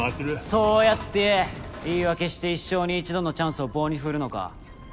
そうやって言い訳して一生に一度のチャンスを棒に振るのか？